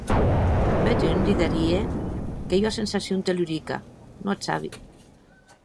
Bèth un diderie qu'ei ua sensacion tellurica, non ac sabi.